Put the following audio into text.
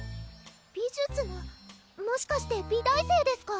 美術のもしかして美大生ですか？